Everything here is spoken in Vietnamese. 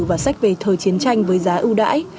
và sách về thời chiến tranh với giá ưu đãi